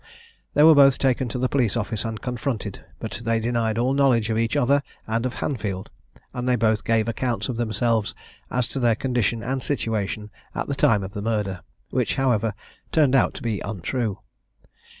They were both taken to the police office and confronted, but they denied all knowledge of each other, and of Hanfield, and they both gave accounts of themselves as to their condition and situation at the time of the murder, which, however, turned out to be untrue.